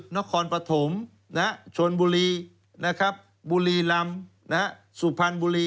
นครปฐมชลบุรีบุรีลำสุพรรณบุรี